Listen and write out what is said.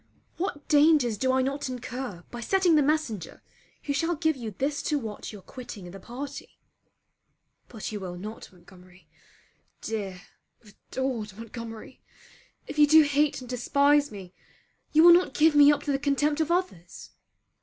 What dangers do I not incur by setting the messenger who shall give you this to watch your quitting the party? But you will not, Montgomery, dear adored Montgomery, if you do hate and despise me, you will not give me up to the contempt of others!